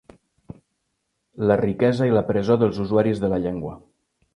La riquesa i la presó dels usuaris de la llengua.